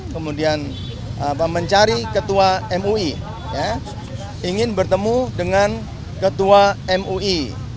kemudian mencari ketua mui ingin bertemu dengan ketua mui